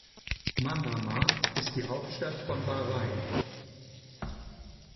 Manama ist die Hauptstadt von Bahrain.